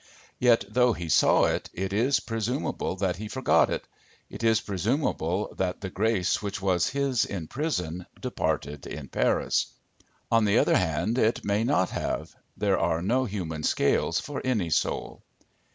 Yet though he saw it, it is presumable that he forgot it. It is presumable that the grace which was his in prison departed in Paris. On the other hand it may not have. There are no human scales for any soul.